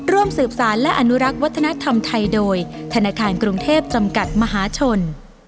ร่วมสืบสารและอนุรักษ์วัฒนธรรมไทยโดยธนาคารกรุงเทพจำกัดมหาชน